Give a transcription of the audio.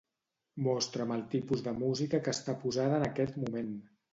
Mostra'm el tipus de música que està posada en aquest moment.